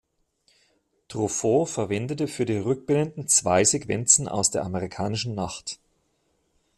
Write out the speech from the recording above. Truffaut verwendete für die Rückblenden zwei Sequenzen aus der "Amerikanischen Nacht".